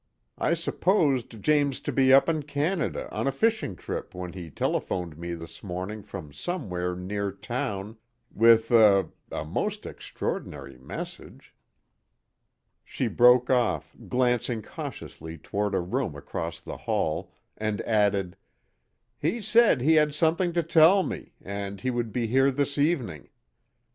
I supposed James to be up in Canada on a fishing trip when he telephoned me this morning from somewhere near town with a a most extraordinary message " She broke off, glancing cautiously toward a room across the hall, and added: "He said he had something to tell me, and he would be here this evening.